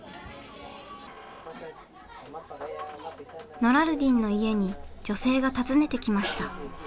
ノラルディンの家に女性が訪ねてきました。